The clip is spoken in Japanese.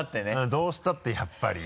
どうしたってやっぱり。